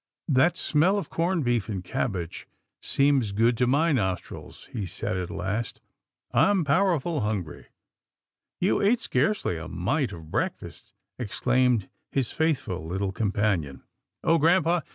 " That smell of corned beef and cabbage seems good to my nostrils," he said at last. " I'm powerful hungry." " You ate scarcely a mite of breakfast," ex claimed his faithful little companion, " Oh grampa